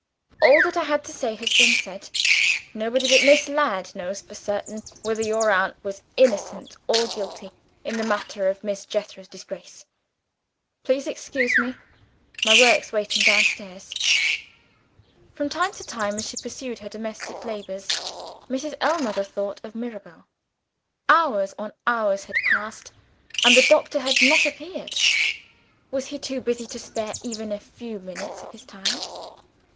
All that I had to say has been said. Nobody but Miss Ladd knows for certain whether your aunt was innocent or guilty in the matter of Miss Jethro's disgrace. Please to excuse me; my work's waiting downstairs." From time to time, as she pursued her domestic labors, Mrs. Ellmother thought of Mirabel. Hours on hours had passed and the doctor had not appeared. Was he too busy to spare even a few minutes of his time?